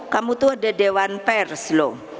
kamu tuh ada dewan pers loh